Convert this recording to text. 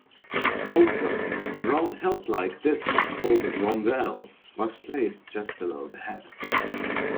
Also, a round hilt-like disc called a "rondelle" was placed just below the head.